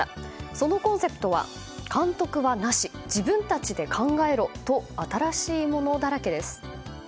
そのコンセプトは監督はなし自分たちで考えろと新しいものだらけです。